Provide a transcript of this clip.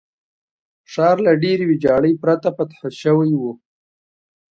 ښار له ډېرې ویجاړۍ پرته فتح شوی وو.